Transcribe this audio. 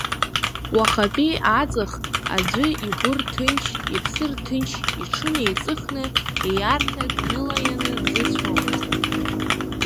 Уахатәи аҵых аӡәы игәы рҭынч, иԥсы рҭынч, иҽынеиҵыхны ииарҭа днылаианы дзыцәомызт.